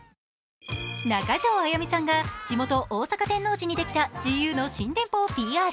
中条あやみさんが地元・大阪天王寺にできたＧＵの新店舗をＰＲ。